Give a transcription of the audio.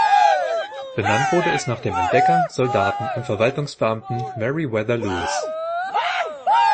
Benannt wurde es nach dem Entdecker, Soldaten und Verwaltungsbeamten Meriwether Lewis.